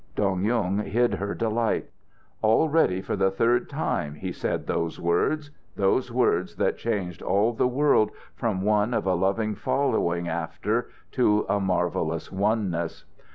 Dong Yung hid her delight. Already for the third time he said those words those words that changed all the world from one of a loving following after to a marvelous oneness.